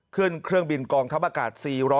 เครื่องบินกองทัพอากาศ๔๐๐